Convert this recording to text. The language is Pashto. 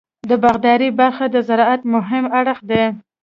د باغدارۍ برخه د زراعت مهم اړخ دی.